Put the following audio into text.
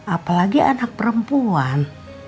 apalagi anak perempuan